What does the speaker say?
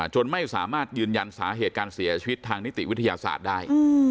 จนไม่สามารถยืนยันสาเหตุการเสียชีวิตทางนิติวิทยาศาสตร์ได้